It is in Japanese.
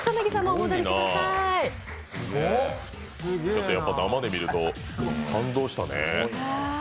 ちょっとやっぱり生で見ると感動したね。